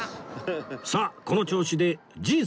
さあこの調子で人生